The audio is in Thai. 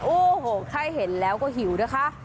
โอ้โหแค่เห็นแล้วก็หิวนะคะ